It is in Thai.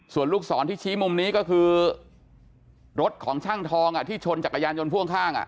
ส่วนลูกศรที่ชี้มุมนี้ก็คือรถของช่างทองที่ชนจักรยานยนต์พ่วงข้าง